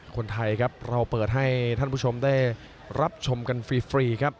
คนไทยครับเราเปิดให้ท่านผู้ชมได้รับชมกันฟรีครับ